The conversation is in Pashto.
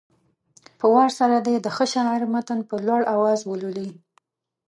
په وار سره دې د ښه شاعر متن په لوړ اواز ولولي.